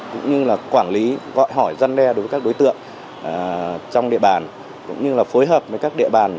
cũng như là phối hợp với các địa bàn